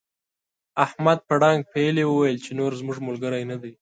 احمد په ډانګ پېيلې وويل چې نور زموږ ملګری نه دی.